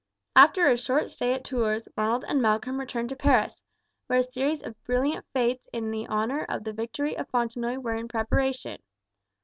After a short stay at Tours, Ronald and Malcolm returned to Paris, where a series of brilliant fetes in honour of the victory of Fontenoy were in preparation.